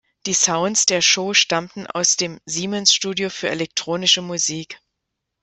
Die Sounds der Show stammten aus dem Siemens-Studio für elektronische Musik.